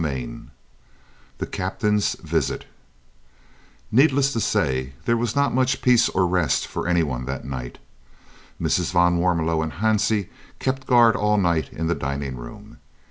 CHAPTER XXXIV THE CAPTAIN'S VISIT Needless to say, there was not much peace or rest for any one that night. Mrs. van Warmelo and Hansie kept guard all night in the dining room.